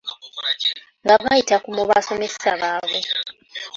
Nga bayita mu basomesa baabwe.